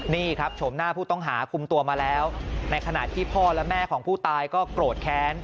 นี่ครับโฉมหน้าผู้ต้องหาคุมตัวมาแล้วในขณะที่พ่อและแม่ของผู้ตายก็โกรธแค้น